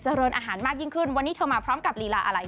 เรินอาหารมากยิ่งขึ้นวันนี้เธอมาพร้อมกับลีลาอะไร